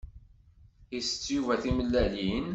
Isett Yuba timellalin?